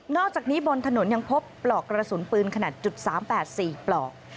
อกจากนี้บนถนนยังพบปลอกกระสุนปืนขนาด๓๘๔ปลอก